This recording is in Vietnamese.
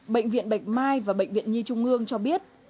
bệnh viện bạch mai và bệnh viện nhi trung ương cho biết